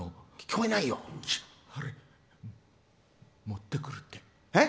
持ってくるって。